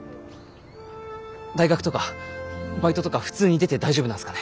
大学とかバイトとか普通に出て大丈夫なんすかね？